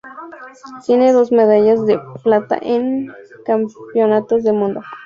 Tiene dos medallas de plata en Campeonatos del Mundo.